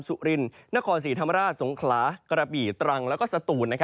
สุรินนครศรีธรรมราชสงขลากระบี่ตรังแล้วก็สตูน